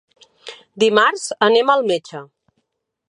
Dimarts anem al metge.